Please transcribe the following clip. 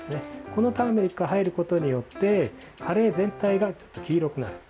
このターメリックが入ることによってカレー全体が黄色くなる。